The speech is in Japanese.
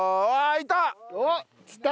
いた！